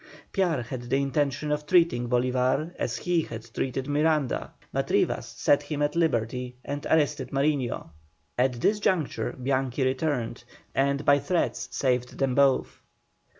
Piar had the intention of treating Bolívar as he had treated Miranda, but Rivas set him at liberty and arrested Mariño. At this juncture Bianchi returned, and by threats saved them both.